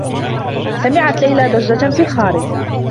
سمعت ليلى ضجّة في الخارج.